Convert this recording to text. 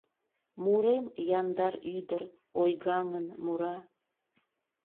Мурем яндар ӱдыр ойгаҥын мура…